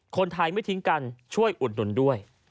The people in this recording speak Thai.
คนไทยไม่ทิ้งกันช่วยอุดหนุนด้วย